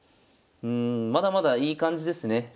うんまだまだいい感じですね。